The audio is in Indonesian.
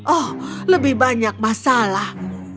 oh lebih banyak masalah